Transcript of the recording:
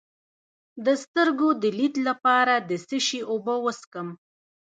د سترګو د لید لپاره د څه شي اوبه وڅښم؟